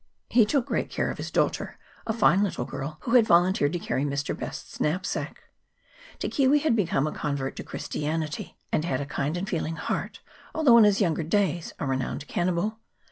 He took great care of his daughter, a fine little girl, who had volunteered to CHAP. XXII.] OPARAU RIVER. 311 carry Mr. Best's knapsack. Te Kiwi had become a convert to Christianity, and had a kind and feeling heart, although in his younger days a renowned cannibal.